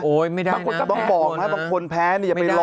โอ้ยไม่ได้น่ะบางคนก็แพ้ต้องบอกมั้ยบางคนแพ้นี่อย่าไปลองน่ะ